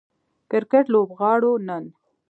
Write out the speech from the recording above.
کرکټ لوبغاړو نن